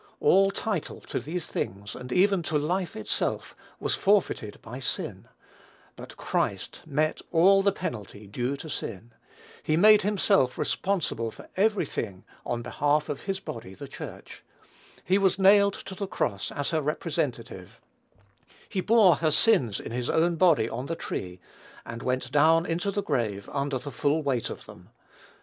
All title to these things, and even to life itself, was forfeited by sin; but Christ met all the penalty due to sin; he made himself responsible for every thing on behalf of his body the Church; he was nailed to the cross as her representative; he bore her sins in his own body on the tree, and went down into the grave under the full weight of them.